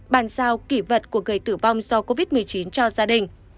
bàn giao kỷ vật của người tử vong do covid một mươi chín cho gia đình